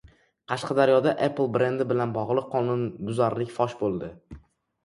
Qashqadaryoda «Apple» brendi bilan bog‘liq qonunbuzarlik fosh bo‘ldi